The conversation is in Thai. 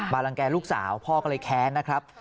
รังแก่ลูกสาวพ่อก็เลยแค้นนะครับ